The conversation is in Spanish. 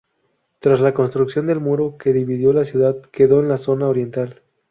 Tras la construcción del muro que dividió la ciudad, quedó en la zona oriental.